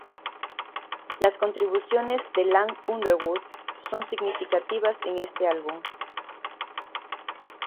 Las contribuciones de Ian Underwood son significativas en este álbum.